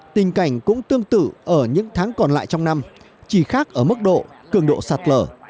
tình cảnh cũng tương tự ở những tháng còn lại trong năm chỉ khác ở mức độ cường độ sạt lở